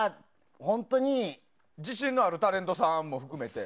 自信のあるタレントさんも含めて。